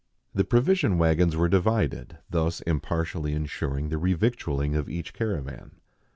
The provision waggons were divided, thus impartially ensuring the revictualling of each caravan.